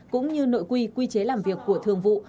cũng như nội quy quy chế làm việc của thường vụ